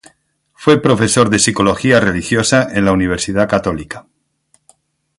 Fue profesor de psicología religiosa en la Universidad Católica.